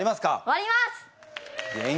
はい。